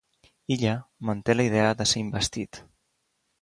Illa manté la idea de ser investit.